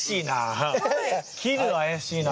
切るは怪しいな。